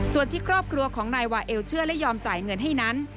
ส่วนที่ครอบครัวของนายวาเอลเชื่อและยอมจ่ายเงินให้นั้น